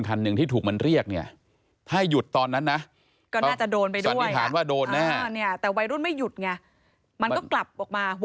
สันนิษฐานว่าโดนแน่แต่วัยรุ่นไม่ยุดจะกลับออกมา